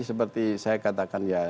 seperti saya katakan ya